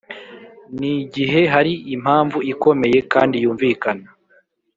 ni gihe hari impamvu ikomeye kandi y’umvikana